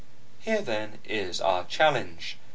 "Here, then, is our challenge.